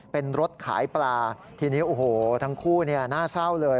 เป็นรถขายปลาทีนี้โอ้โหทั้งคู่น่าเศร้าเลย